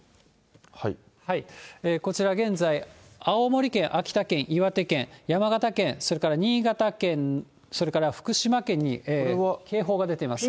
こちら、現在、青森県、秋田県、岩手県、山形県、それから新潟県、それから福島県に、警報が出ています。